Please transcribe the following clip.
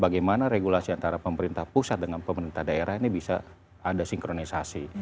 bagaimana regulasi antara pemerintah pusat dengan pemerintah daerah ini bisa ada sinkronisasi